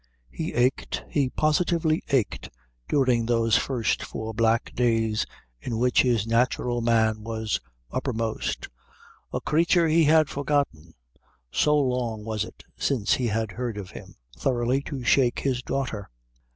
He ached, he positively ached during those first four black days in which his natural man was uppermost, a creature he had forgotten so long was it since he had heard of him, thoroughly to shake his daughter.